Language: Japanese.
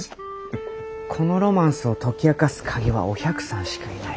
このロマンスを解き明かす鍵はお百さんしかいない。